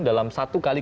dalam satu kali